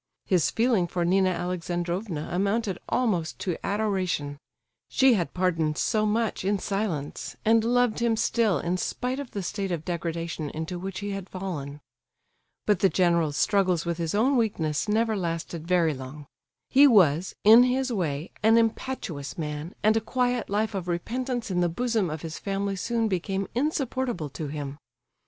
His feeling for Nina Alexandrovna amounted almost to adoration; she had pardoned so much in silence, and loved him still in spite of the state of degradation into which he had fallen. But the general's struggles with his own weakness never lasted very long. He was, in his way, an impetuous man, and a quiet life of repentance in the bosom of his family soon became insupportable to him.